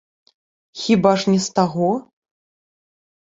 Хіба ж не з таго?